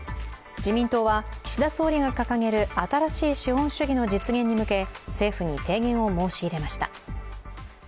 自民党は岸田総理が掲げる新しい資本主義の実現に向け政府に提言を申し入れました。